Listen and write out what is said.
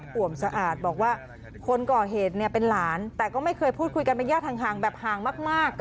เพราะว่าตอนนั้นมันยึกยักกันนะครับ